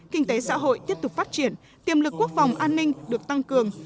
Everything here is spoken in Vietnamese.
kinh tế xã hội tiếp tục phát triển tiềm lực quốc phòng an ninh được tăng cường